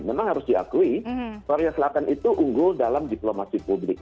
memang harus diakui korea selatan itu unggul dalam diplomasi publik